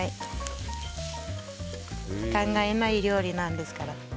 考えない料理なんですから。